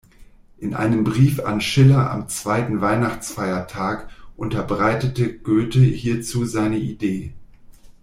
In einem Brief an Schiller am zweiten Weihnachtsfeiertag unterbreitete Goethe hierzu seine Idee.